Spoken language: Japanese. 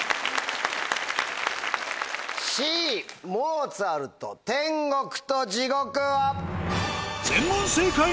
Ｃモーツァルト『天国と地獄』は。